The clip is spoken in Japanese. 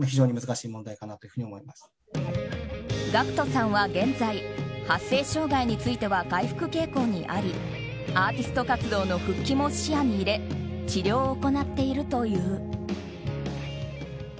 ＧＡＣＫＴさんは現在発声障害については回復傾向にありアーティスト活動の復帰も視野に入れ治療を行っているという。